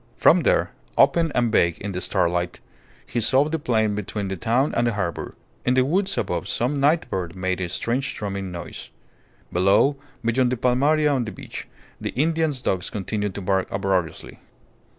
From there, open and vague in the starlight, he saw the plain between the town and the harbour. In the woods above some night bird made a strange drumming noise. Below beyond the palmaria on the beach, the Indian's dogs continued to bark uproariously.